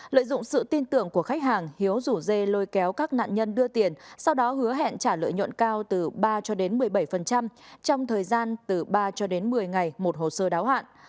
lợi dụng sự tin tưởng của khách hàng hiếu rủ dê lôi kéo các nạn nhân đưa tiền sau đó hứa hẹn trả lợi nhuận cao từ ba cho đến một mươi bảy trong thời gian từ ba cho đến một mươi ngày một hồ sơ đáo hạn